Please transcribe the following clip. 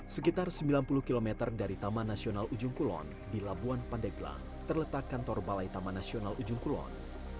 sekitar sembilan puluh km dari taman nasional ujung kulon di labuan pandeglang terletak kantor balai taman nasional ujung kulon